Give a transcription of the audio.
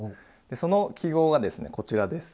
その記号がですねこちらです。